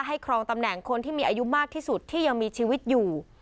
ครองตำแหน่งคนที่มีอายุมากที่สุดที่ยังมีชีวิตอยู่